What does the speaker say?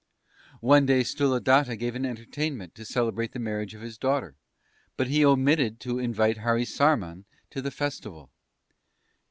"One day Sthuladatta gave an entertainment to celebrate the marriage of his daughter, but he omitted to invite Harisarman to the festival.